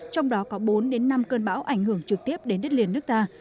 trong đó có bốn đến năm cơn bão ảnh hưởng trực tiếp đến đất liền nước ta